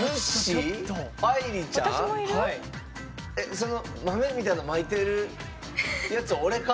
その豆みたいのまいてるやつは俺か？